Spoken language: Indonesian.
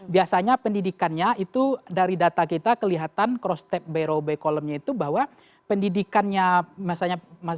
biasanya pendidikannya itu dari data kita kelihatan cross step by row by column nya itu bahwa pendidikannya